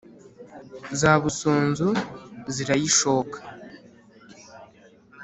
za busunzu zirayishoka.